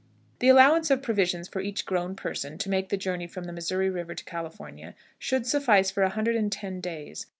The allowance of provisions for each grown person, to make the journey from the Missouri River to California, should suffice for 110 days.